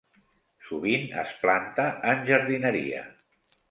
Sovint es planta en jardineria.